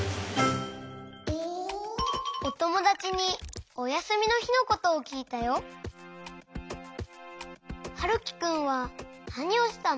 おともだちにおやすみのひのことをきいたよ。はるきくんはなにをしたの？